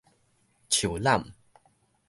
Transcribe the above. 樹攬